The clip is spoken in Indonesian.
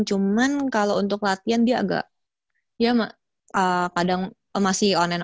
cuman kalau untuk latihan dia agak ya kadang masih online